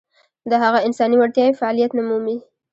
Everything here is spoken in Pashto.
د هغه انساني وړتیاوې فعلیت نه مومي.